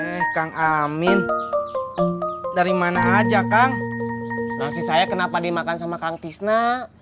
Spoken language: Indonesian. eh kang amin dari mana aja kang nasi saya kenapa dimakan sama kang tisna